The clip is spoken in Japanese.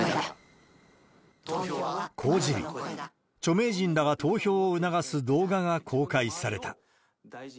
公示日、著名人らが投票を促す動画が公開された。